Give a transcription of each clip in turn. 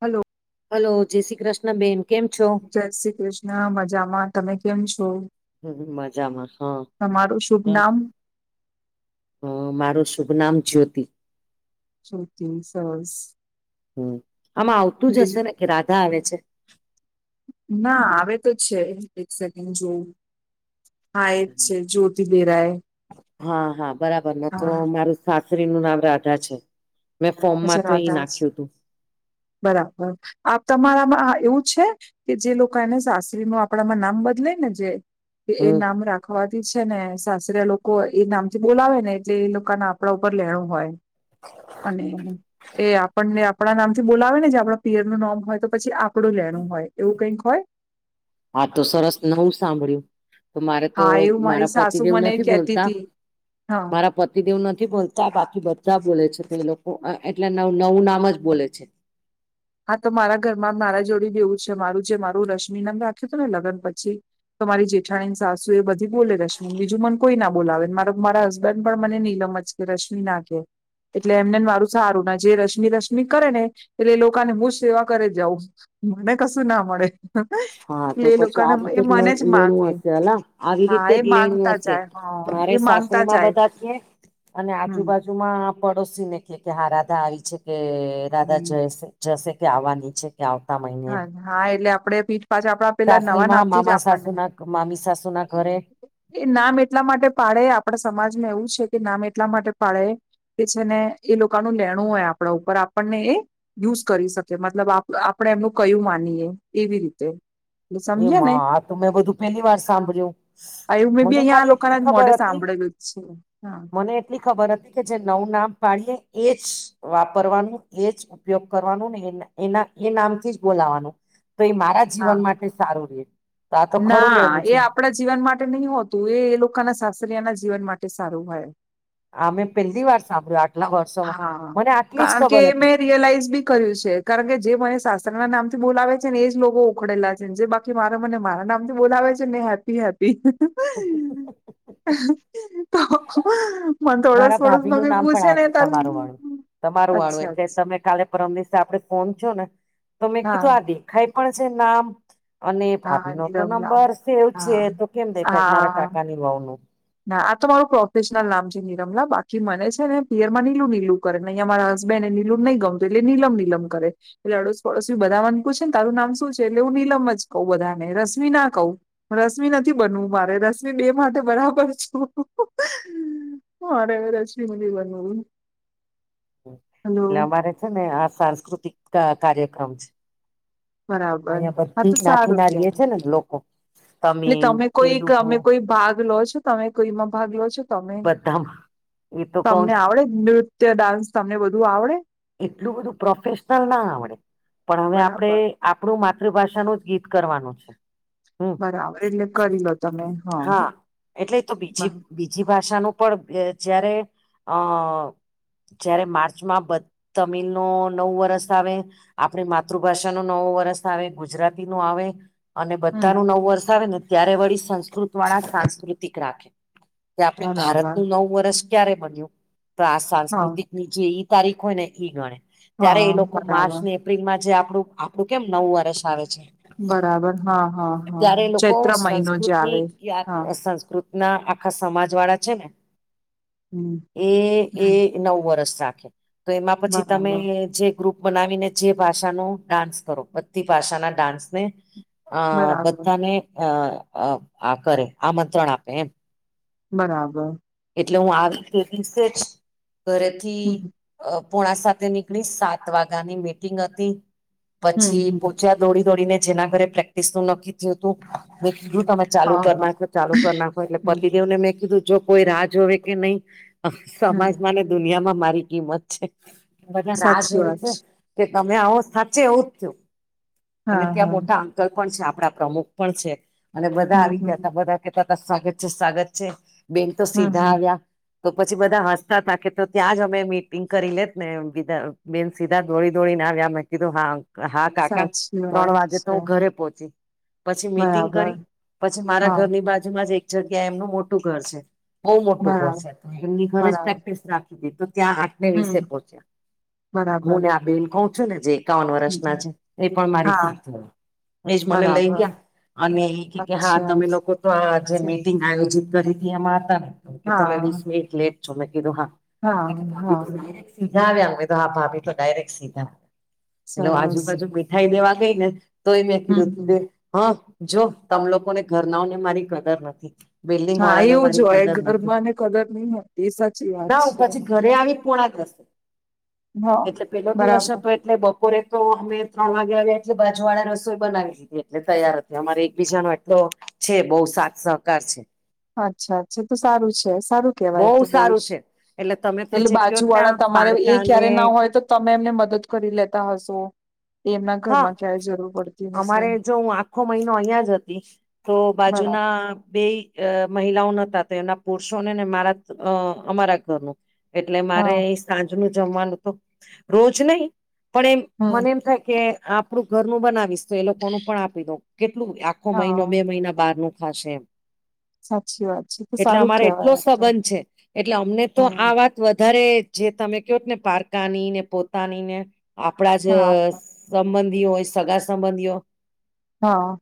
Hello. Hello જય શ્રી કૃષ્ણ બેન. કેમ છો જય શ્રી કૃષ્ણ, મજામા. તમે કેમ છો? [unintelligible] હા તમારું શુભ નામ? હ મારું શુભ નામ જ્યોતિ. શ્રુતિ સરસ હ આમાં આવતું જ હશે બીજું ને કે રાધા આવે છે? ના આવે તો છે એક સેકન્ડ જોવું હા એ જ છે જો [unintelligible] હા હા બરાબર ન તો મારું સાસરીનું નામ રાધા છે. મેં ફોર્મમાં હજ તો એ રાધા જ નાખ્યું હતું બરાબર આપ તમારામાં એવું છે? કે જે લોકો એને સાસરીમાં આપડામાં નામ બદલાય ને જે એ હમ નામ રાખે. ખવાતી છે ને સાસરીયા લોકો એ નામ થી બોલાવે ને જે એ લોકો ના આપણા ઉપર લેણું હોય. અને એ આપણને આપણા નામથી બોલાવે ને જે આપણા પિયર નું નામ હોય તો પછી આપડું લેણું હોય એવું કઈક હોય. હા તો સરસ નવું સાંભળ્યું. તો મારે તો હા એવું મારી મારા પતિ સાસુ દેવ મને નથી કેતી બોલતા હતી હા મારા [unintelligible] પતિદેવ નથી બોલતા બાકી બધા બોલે છે તે લોકો એટલે નવ નવું નામ જ બોલે છે. હા તો મારા ઘરમાં મારા જોડે બી એવું છે મારું જે મારું રશ્મિ નામ રાખ્યું હતું ને લગ્ન પછી તો મારી જેઠાણીની સાસુ એ બધી બોલે રશ્મિ બીજું મન કોઈ ના બોલાવે મા મારા હસબન્ડ પણ મને નીલમ જ કે રશ્મિ ના કેે એટલે એમનેને મારું સારું ના જે રશ્મિ રશમિ કરે ને એટલે એ લોકો અને હું સેવા કરે જાઉં મને કશું ના મળે. હા તો એટલે એ પછી લોકોને આ રીતે એ જ મને લેણું માંગે હશે હલા આવી હા રીતે એ જ લેણું માંગતા હશે. જાય હા મારે એ માંગતા સાસરીમાં જાય બધા કે અને હમ આજુબાજુ [unintelligible] માં પડોશી ને કે કે હા રાધા આવી છે કે રાધા હમ જશે. જસે કે આવવાની છે કે આવતા મહિને. હા હા એટલે આપડે પીઠ પાછા આપડા પેલા નવા સાસરીમાં નામથી જ મામા સાસુ આપણને ના મામી સાસુ ના ઘરે એ નામ એટલા માટે પાડે આપણા સમાજમાં એવું છે કે નામ એટલા માટે પાડે કે છે ને એ લોકોનું લેણું હોય આપણા ઉપર આપણને એ યુઝ કરી શકે મતલબ આપણે એમનું કહ્યુંમાનીએે એવી રીતે એટલે સમજ્યાને એમાં આ તો મેં બધું પેલી વાર સાંભળ્યું આયું મેં બી મને અહિયાં આ ખાલી લોકો એટલી ના ખબર મોઢે જ હતી સાંભળેલું છે હા. મને એટલી ખબર હતી કે જે નવું નામ પાડીએ એજ વાપરવાનું એજ ઉપયોગ કરવાનું ને એના એ નામથી જ બોલાવાનું તો એ મારા હા જીવન માટે સારું રહે તો આ તો ખરું ના લેણું એ છે. આપણા જીવન માટે નહી હોતું એ એ લોકોના સાસરિયાના જીવન માટે સારું હોય. આ મે પહેલી વાર સાંભળ્યું આટલા વર્ષોમાં હા મને આટલી જ કારણ કે ખબર હતી. મેં રિયલાઈઝ બી કર્યું છે કારણકે જે મને સાસરીના નામ થી બોલાવે છે ને એજ લોકો ઉખડેલા છે જે બાકી જે મને મારા નામથી બોલાવે છે ને હેપી હેપી તો મને તો આડોસ મારા ભાભી નું પાડોસમાંથી નામ પણ પૂછે આ ને છે તાર તમારું વાળું તમારું વાળુ અચ્છા એટલે અચ્છા તમે કાલે પરમદિવસે આપડે ફોન થયોને. તો મેં હા કીધું આ દેખાય પણ છે નામ અને ભાભી હા નો તો નિરમલા નંબર સેવ હા છે તો કેમ દેખાય મારા હા કાકાની વહુનું ના આ તો મારું પ્રોફેશનલ નામ છે નીલમ બાકી મને છે ને પિયરમાં નીલું નીલું. અહીંયા મારા હસબન્ડને નિલું નહી ગમતું એટલે નિલમ નિલમ કરે. એટલે અડોસ પડોશી બધા મને પુછે ને તારું નામ શું છે એટલે હું નીલમ જ કહું બધા ને રશ્મી ના કહું. રશ્મિ નથી બનવું મારે રશમિ બે માટે બરાબર [unintelligible] મારે રશ્મી નથી બનવું. હલો એટલે અમારે છે ને આ સાંસ્કૃતિક કાર્યક્રમ છે. બરાબર અહિયાં હા બધી તો સારું જ્ઞાતિના રીએ ત્યાં છે લોકો એટલે તમિલ તમે કોઈ તેલુગુ તમે કોઈ ભાગ લો છો તમે કોઈમાં ભાગ લો છો. તમે બધામાં એ તો કઉ તમને છું આવડે નૃત્ય ડાન્સ તમને બધું આવડે? એટલું બધું પ્રોફેશનલ ના આવડે પણ હવે બરાબર આપણે આપણું માતૃભાષાનું જ ગીત કરવાનું છે. હમ બરાબર એટલે કરી લો તમે હા એટલે તો બીજી બ- [unintelligible] બીજી ભાષાનું પણ જયારે અ જ્યારે માર્ચમાં બ તમિન નવ વરસ આવે. આપણી માતૃભાષાનો નવો વર્ષ આવે ગુજરાતી નો આવે. અને હમ બધાનું નવુ વર્ષ આવે ને ત્યારે વળી સંસ્કૃત વાળા સાંસ્કૃતિક રાખે. કે આપણે બરાબર ભારતનું નવું વર્ષ ક્યારે બન્યું તો આ હા સાંસ્કૃતિકની જે એ તારીખ હોય ને ઈ ગણે ત્યારે હા એ લોકો માર્ચ બરાબર ને એપ્રિલમાં જે આપડું આપણું કેમ નવું વર્ષ આવે છે. બરાબર હા હા હા ત્યારે લોકો ચૈત્ર મહિનો જે સંસ્કૃતની આવે હા ક્યાં સંસ્કૃત ના આખા સમાજ વાળા છે ને હમ એ એ હમ એ નવુ વરસ રાખે તો એમાં પછી તમે બરાબર જે ગ્રુપ બનાવીને જે ભાષાનો ડાન્સ કરો બધી ભાષાના ડાન્સ ને અ બરાબર બધાને અ આ કરે આમંત્રણ આપે એમ. બરાબર, એટલે હું આવી તે દિવસે જ ઘરેથી હમ અ પોણા સાતે નીકળી સાત વાગ્યાની મીટિંગ હતી હમ પછી હમ પોહચ્યા દોડી દોડીને જેના ઘરે પ્રેક્ટિસ નું નક્કી થયું હતું મેં કીધું તમે ચાલુ હા કરી હા નાખો ચાલુ કરી નાખો એટલે હમ પતિદેવ ને મેં કીધું જો કોઈ રાજ હો કે નહી હમ સમાજમાં ને દુનિયામાં મારી કિંમત છે કે બધા રાહ સાચી જોવે વાત છે. કે તમે આવો સાચે એવું જ થયું. અને હા ત્યાં હા મોટા અંકલ પણ છે આપડા પ્રમુખ પણ છે અને બધા હમ આવી ગયા હમ હતા બધા આવીગયા ને બધા કેતાતા સ્વાગત છે સ્વાગત છે બેન તો હમ સીધા હમ આવ્યા. તો પછી બધા હસતા હતાા કે તો ત્યાં જ અમે મીટિંગ કરી લેત ને બીધા બેન સીધા દોડી દોડીને આવ્યા અમે કીધું હા હા કાકા સાચી ત્રણ વાત વાગે તો છે હુ ઘરે પોહોંચી પછી મીટિંગ બરાબર કરી પછી મારા હા ઘરની બાજુમાં જ એક જગ્યા એમનું મોટું ઘર છે. બહુ મોટું ઘર બરાબર છે તો એમની ઘર જ બરાબર પ્રેક્ટિસ રાખી દી તો ત્યાં હમ વિશે પહચ્યા હું બરાબર ને આ બેિલ કહું છું ને જે એકાવન વર્ષના હમ. છે. એ પણ મારી હા સાથે એજ મને લઈ બરાબર ગયા અને એ કે હા અચ્છા તમે લોકો તો આ જે મીટી આયોજિત કરી હતી એમાં હતા ને તો કે તમે વીસ હા મિનિટ લેટ છો. મેં કીધું હા ભાભી ડાયરેક સીધા આવ્યા હા ભાભી તો ડાયરેક્ટ સીધા એટલે સરસ આજુબાજુ મીઠાઈ દેવા ગઈ ને તોય મેં હમ હમ કીધું હા, જો તમ લોકોને ઘરનાને મારી કદર નથી. બિલ્ડિંગ હા વાળા ને એવું જ મારી હોય કદર નથી ઘરમાં ને કદર નહી હોતી એ સાચી વાત ના છે પછી ઘરે આવી પોળા દસ હા એટલે પેલો દિવસ બરાબર હતો એટલે બપોરે તો અમે ત્રણ વાગ્યા એટલે બાજુ વાળા રસોઈ બનાવી દીધી એટલે તૈયાર હતી અમારે એકબીજા ન એટલો છે, બહુ સાથ સહકાર છે. અચ્છા અચ્છા તો સારું છે સારું કેવાય તો બહુ સારું જ છે એટલે તમે તો એટલે જે કયો બાજુ ને આ વાળા તમારે એ પારકા ને ક્યારે ના હોય તો તમે એમને મદદ કરી લેતા હશો. એમના હા ઘરમાં ક્યાય જરૂર પડતી હશે અમારે જો હું આખો મહિનો અહીયાં જ હતી તો બરાબર બાજુના બેય અ મહિલાઓ નતા તો એમના પુરુષોને ને મારા અ અમારા ઘરનું એટલે મારે હા એ સાંજ નું જમવાનું તો રોજ નહી પણ એમ હમ મને એમ કે આપડું ઘરનું બનાવીશ તો એ લોકોનું પણ આપી દઉ કેટલું મહિનો હા બે મહિના બાર નું ખાશે એમ સાચી વાત છે તો એટલે સારું અમારે એટલો કેવાય તો સંબંધ છે એટલે અમને તો આ હમ વાત વધારે જે તમે કહો ને પારકાની ને પોતાની ને આપણા જ હા હા સંબંધી હોય સગા સંબંધીઓ હા,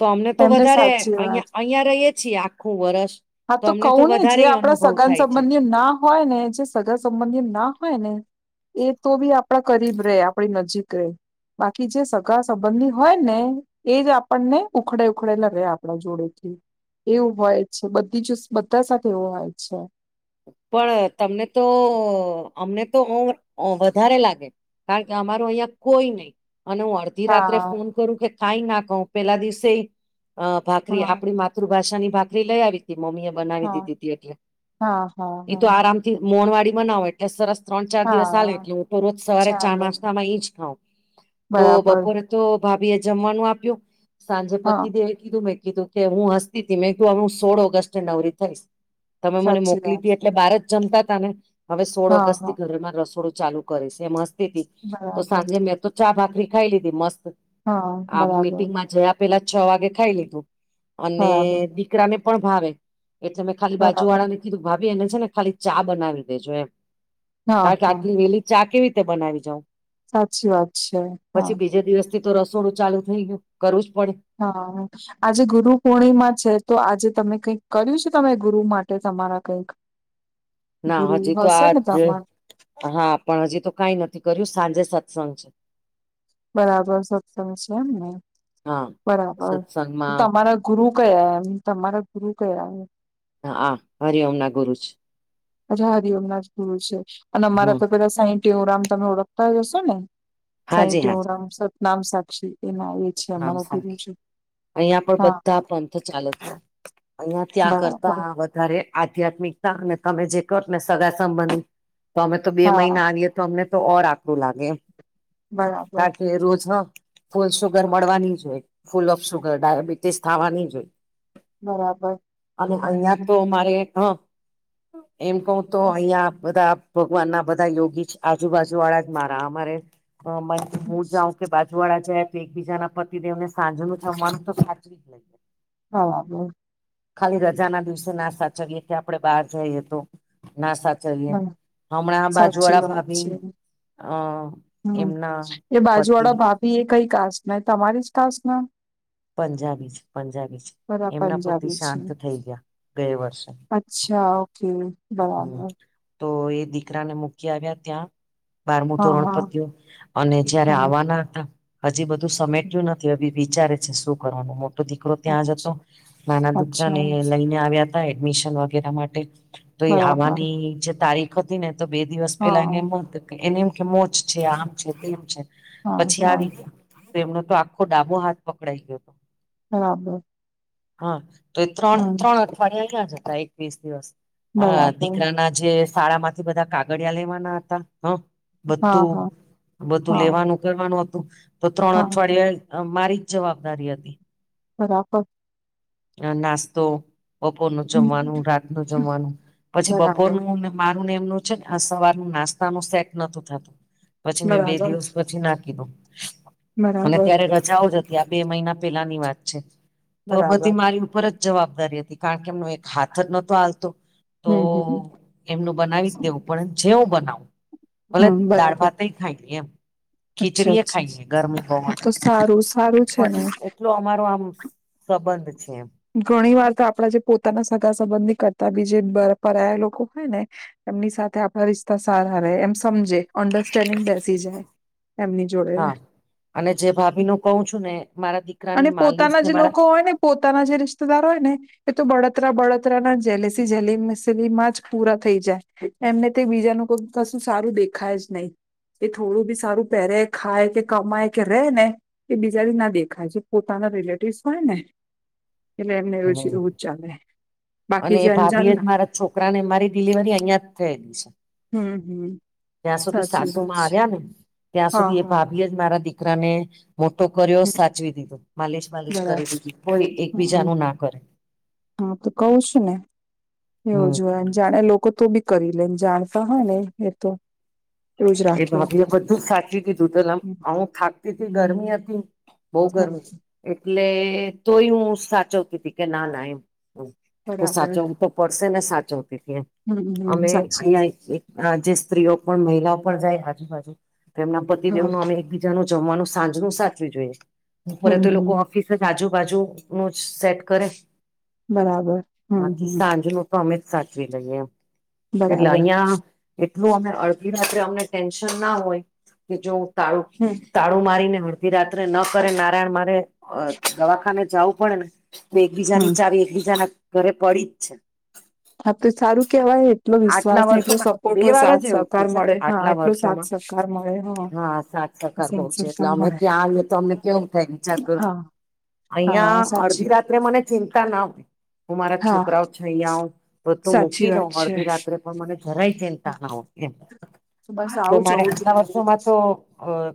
તો અમને તો એમને વધારે સાચી વાત અહીં અહીયાં રહીએ છીએ આખું વરષ હા, તો કવ ને જે આપડા સગા છે સંબંધી ના હોય ને જે સગા સંબધી ના હોય ને એ તો બી આપણા કરીબ રે આપડી નજીક રેય બાકી જે સગા સંબંધી હોય ને એજ આપણને ઉખડે ઉખડે લગે આપણા જોડે થી એવું હોય છે બધી જ બધા સાથે એવું હોય છે. પણ તમને તો અમને તો વધારે લાગે કારણ કે અમારો અહીયાં કોઈ નહી અને હું અડધી રાત્રે હા ફોન કરું કે કાય ના કહું પેલા દિવસે હા ભાખરી [unintelligible] માતૃભાષાની ભાખરી લઈ આવી હતી મમ્મી એ બનાવી હા દીધી હતી એટલે હા હા એ તો હા આરામ થી મોણ વાડી બનાવે એટલે સરસ ત્રણ ચાર દિવસ હાલે હા એટલે હું તો રોજ સવારે ચાર ચાલે નાસ્તા માં એ જ ખાઉં તો બરાબર બપોરે તો ભાભી એ જમવાનું આપ્યું સાંજે હા પતિદે વને કીધુકે મેં કીધું કે હું હસ્તી તી મેં કીધું હું સોળ ઓગસ્ટે નવરી થઈશ તમે મને મો સાચી વાત કલી એટલે બાર જ જમતા તા ને હવે સોળ હા ઓગસ્ટ હા થી ઘરમાં રસોડું ચાલુ કરીશ એ મસ્ત [unintelligible] તો બરાબર સાંજે મેં તો ચા ભાખરી ખાઈ લીધી મસ્ત હા આ બરાબર મીટિંગમાં જયા પેલા છ વાગે ખાઈ લીધું અને બરાબર દીકરાને પણ ભાવે એટલે મેં ખાલી બાજુ બરાબર વાળાને કીધું ભાભી એને છે ને ખાલી ચા બનાવી દેજો એમ હા કારણ કે હા આટલી વેલી ચા કેવી રીતે બનાવી જવ સાચી વાત છે હા. તે તો રસોડું ચાલુ થઈ ગયું કરવું જ પડે હા. આજે ગુરુ પૂર્ણિમા છે તો આજે તમે કઈક કર્યું છે તમે ગુરુ માટે તમારા કઈક ના ગુરુ હજી તો હશે આજ ને જો તમાર હા, પણ હજી તો કાઈ નથી કર્યું સાંજે સત્સંગ છે. બરાબર સત્સંગ છે એમ ને. હા બરાબર સત્સંગમાં તમારા ગુરુ કયા એમ તમારા ગુરુ કયા હા આ હરી ઓમ ના ગુરુજ અચ્છા હરિ ઓમનાથ ગુરુ છે અને અમારા હા તો પેલા સાંઈ ટેવરામ તમે ઓળખતા જ હશો ને સાઈ હાજી હાજી ટેવરામ સતનામ સાક્ષી એના એ છે નામ અમારો ગુરુ સાખી છે અહિયાં પણ હા બધા પંથ ચાલે છે અહિયાં ત્યાં બરાબર કરતા વધારે આધ્યાત્મિકતા અને તમે જે કર ને સગા સંબંધ તો અમે તો બે હા મહિના અમને તો ઓર આકડું લાગે બરાબર [unintelligible] સુગર મળવાની જ હોય ફૂલ ઓફ સુગર ડાયાબિટીસ થવા ની જોઈએ બરાબર. અને અહિયાં તો મારે હ એમ કવ તો અહિયાં બધા ભગવાન ના બધા યોગી આજુબાજુ વાળા જ મારા અમારે હું જાઉં બાજુવાળા જાય તો એકબીજા ના પતિ દેવને સાંજ નું જમવાનું તો [unintelligible] બરાબર. ખાલી રજા ના દિવસે ના સાચવીએ કે આપડે બહાર જઈએ તો ના સાચવીએ ધન હમણાં સાચી બાજુવાળા ભાભી અ હમ્મ એમના એ બાજુ પતિ વાળા ભાભી એ કઈ કાસ્ટ ના તમારી જ કાસ્ટ ના પંજાબી છે પંજાબી છે બરા એમના પતિ પંજાબી શાંત થઈ ગયે વર્ષે ચ્છા ઓકે. હમ્મ. બરાબર તો એ દીકરાને મૂકી આવ્યા ત્યાં. બારમું હા ધોરણ હા પત્યું અને જયારે હા આવવાના હતા હજી બધું સમેટ્યું નથી. અભી, વિચારે છે શું કરવાનો. મોટો દીકરો ત્યાં જ હતો નાના અચ્છા દુકાને લઈને આવ્યા. એડમિશન વગેરે માટે, તો એ બરાબર આવાની જે તારીખ હતી ને તો બે દિવસ પેલા હા [unintelligible] એને એમ કે મોજ છે. આમ છે. તેમ છે. હા પછી હા આવી ગ્યા. તો એમનો તો આખો ડાબો હાથ પકડાઈ ગ્યો. બરાબર. હા તો એ ત્રણ હમ ત્રણ અઠવાડીયા અહિયા જ હતા. એકવીસ દિવસ હા બરાબર દીકરાના જે શાળામાંથી બધા કાગળિયા લેવાના હતા. હ, હા બધું હા બધું હા લેવાનું કરવાનું હતું, તો ત્રણ હા અઠવાડયે અ મારી જ જવાબદારી હતી. બરાબર. અ નાસ્તો. બપોરનું જમવાનું, રાતનું જમવાનું પછી બરાબર બપોરનુંને મારુને એમનું, [unintelligible] આ સવારનું નાસ્તાનું સેટ નતુ થાતુ પછી મેં બે બરાબર દિવસ પછી ના કીધુ. અને બરાબર ત્યારે રજાઓ જ હતી આ બે મહિના પેલાની વાત છે. તો બધ બરાબર મારી ઉપર જ જવાબદારી હતી કારણ કે એમનો એક હાથ જ નતો હાલતો. તો હમ હમ એમનું બનાવી જ દેવું પણ જેવું બનાવ ભલે હમ દાળ, બરાબર ભાત એ ખાયલી એમ. અચ્છા ખીચડીએ અચ્છા ખાઈલે, ગરમી [unintelligible] આ પણ તો સારું સારું છે ને એટલો અમારો આમ સંબંધ છે. એમ ઘણી વાર તો આપણા જે પોતાના સગા સંબંધી કરતા બીજે પરાય લોકો હોય ને, એમની સાથે આપણા રિશ્તા સારા રહે એમ સમજે. અન્ડરસ્ટેન્ડિંગ બેસી જાય એમની જોડે. હા અને જે ભાભીનું કહું છું ને, મારા અને દીકરાની માલ [unintelligible] પોતાના જે લોકો હોયને, પો તાના જે રિશ્તેદાર હોયને, એ તો બળતરા બળતરાના જેલેસી જેલે [unintelligible] માં જ પૂરા થઈ જાય. એમને તે બીજાનું કોક કશું સારું દેખાય જ નઈ. એ થોડું બી સારું પહેરે ખાય કે કમાય કે રેય ને, એ બીજાને ના દેખાય છે પોતાના રિલેટિવ્સ હોય ને, એટલે એમને એવું [unintelligible] હમ. એવું જ ચાલે. બાકી અને જે એ ભાભી અંજાન એજ મારા છોકરાને મારી ડિલિવરી અહિયાં જ થયેલી છે. હમ્મ હમ્મ, જ્યાં સુધી સાસુ માં આવ્યાને, ત્યાં હા સુધી એ હા ભાભી જ મારા દીકરાને, મોટો કર્યો હમ, સાચવી દીધું, માલીશ માલીશ બરાબર કરી દીધી કોઈ હમ એકબીજાનું નામ, હા તો કવ છું ને હમ એવું [unintelligible] જાણે લોકો તો બી કરી લેમ, જાણતા હોય ને એ તો. એવું જ એ રાખે ભાભી એ બધું જ સાચી દીધું તુ, હમ અમુક થાકતી તી ગરમી હતી. બઉ હમ, ગરમી, એટલે તોય હું સાચવતી તી કે ના ના એમ, તો બરાબર સાચવવું તો પડશેને, સાચવતી તી હમ હમ અમે સાચી અહીંયા વાત. એક, [unintelligible] જે સ્ત્રીઓ પણ મહિલાઓ પણ જાય આજુબાજુ તેમના હા પતિદેવનું અમે એકબીજ બીજાનું જમવાનું સાંજનું સાચવી જોઈએ, બપોરે હમ તો લોકો હમ ઓફિસ જ આજુબાજુનું જ સેટ કરે, બરાબર હમ બાકી હમ સાંજનુ તો અમેજ સાચવી લઈએ, એટલે બરાબર અહીંયા એટલું અમે અળધી રાત અમે ટેન્શન મા હોય, કે જો તાળું હમ તાળું મારીને અડધી રાત્રે, ન કરે નારાયણ મારે અ દવાખાને જાવું પડે ને તો એકબીજાની હમ ચાવી, એકબીજાના ઘરે પડીજ છે. આતો સારું કેવાય. એટલો આટલા વિશ્વાસ ને એટલો વર્ષોમાં સપોર્ટ બે હોય વારજ સાથ એવું સહકાર થયું છે, મળે હા આટલા એટલો સાથ વર્ષોમાં, સહકાર મળે હા સાચ સરકાર બહુ સાથ છે, એટલે સહકાર અમે મળે ત્યાં આવીએ તો અમને કેમું થાય, વિચાર કરો. હા હા અહિયાં સાચી અડધી રાત્રે મને ચિંતા ના હોય, હું મારા હા છોકરાઓ છે, ઐયા ઓ બધું સાચી મૂકી દઉ વાત હળ છે તે પણ મને જરાય ચિંતા ન હોતે, તો બસ હું આવું જ મારે હોવું એટલા વર્ષ જોઈએ સોમા તો અ